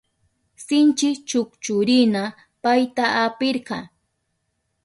Sinchi chukchurina payta apirka.